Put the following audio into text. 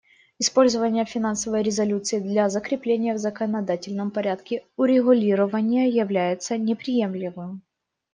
Использование финансовой резолюции для закрепления в законодательном порядке урегулирования является неприемлемым.